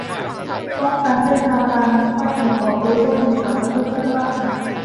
ป้องกันเส้นทางการนำเข้าส่งออกโดยร่วมมือกับประเทศเพื่อนบ้าน